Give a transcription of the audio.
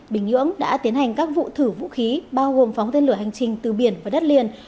bình nhưỡng đã tiến hành các vụ thử vũ khí bao gồm phóng tên lửa hành trình từ biển và đất liền